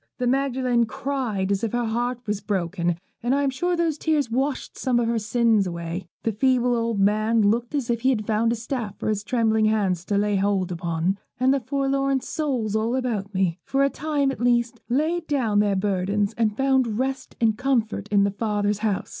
The Magdalen cried as if her heart was broken, and I am sure those tears washed some of her sins away. The feeble old man looked as if he had found a staff for his trembling hands to lay hold upon, and the forlorn souls all about me, for a time at least, laid down their burdens and found rest and comfort in their Father's house.